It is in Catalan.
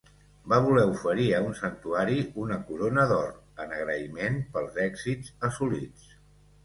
Va voler oferir a un santuari una corona d'or, en agraïment pels èxits assolits.